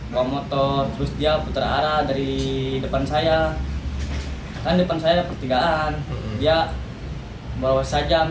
bawang motor terus dia putar arah dari depan saya kan depan saya pertigaan dia bawa sajam